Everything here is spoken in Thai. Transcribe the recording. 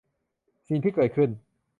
สิ่งเกิดขึ้น